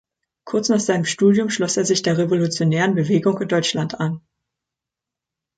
Kurz nach seinem Studium schloss er sich der revolutionären Bewegung in Deutschland an.